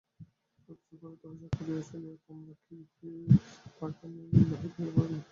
রুদ্ধঘরের দরজা খুলিয়া ফেলিয়া কমলা খিড়কির বাগানে বাহির হইয়া পড়িল।